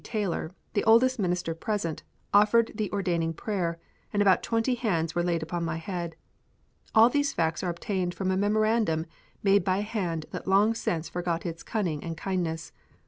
Taylor, the oldest minister present, offered the ordaining prayer, and about twenty hands were laid upon my head. All these facts are obtained from a memorandum made by a hand that long since forgot its cunning and kindness.